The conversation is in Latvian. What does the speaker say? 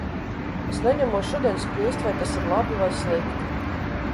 Es neņemos šodien spriest, vai tas ir labi vai slikti.